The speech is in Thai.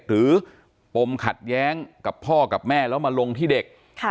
ปมขัดแย้งกับพ่อกับแม่แล้วมาลงที่เด็ก